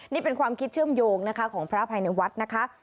นี่เป็นความคิดเชื่อมโยงนะคะของพระภายในวัดนะคะ